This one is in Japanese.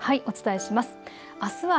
お伝えします。